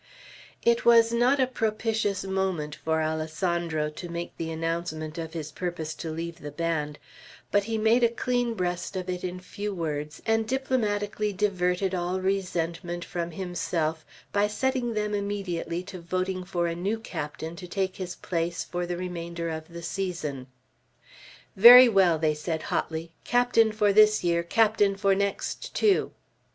It was not a propitious moment for Alessandro to make the announcement of his purpose to leave the band; but he made a clean breast of it in few words, and diplomatically diverted all resentment from himself by setting them immediately to voting for a new captain to take his place for the remainder of the season. "Very well!" they said hotly; "captain for this year, captain for next, too!"